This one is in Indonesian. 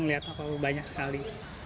melihat banyak sekali